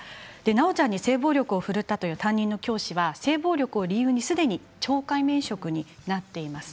なおちゃんに性暴力を振るった担任の教師は性暴力を理由にすでに懲戒免職になっています。